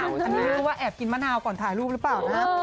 อันนี้ก็ว่าแอบกินมะนาวก่อนถ่ายรูปหรือเปล่านะฮะ